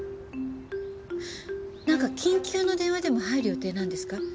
何か緊急の電話でも入る予定なんですか？